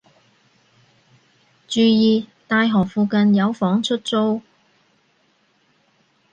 注意！大學附近有房出租